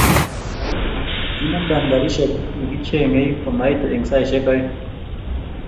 kinamtan karisiek chekiikichgei komaitu eng saisiek oeng